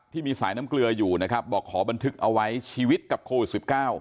ที่มีสายน้ำเกลืออยู่นะครับบอกขอบันทึกเอาไว้ชีวิตกับโควิด๑๙